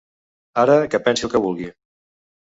Ara, que pensi el que vulgui.